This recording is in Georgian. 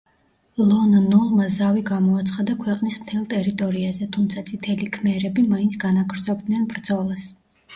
ლონ ნოლმა ზავი გამოაცხადა ქვეყნის მთელ ტერიტორიაზე, თუმცა წითელი ქმერები მაინც განაგრძობდნენ ბრძოლას.